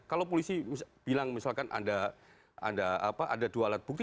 kalau polisi bilang misalkan ada dua alat bukti